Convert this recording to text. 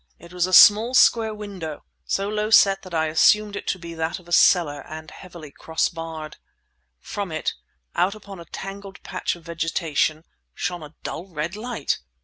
It was a small square window, so low set that I assumed it to be that of a cellar, and heavily cross barred. From it, out upon a tangled patch of vegetation, shone a dull red light!